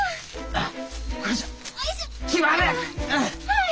あっ！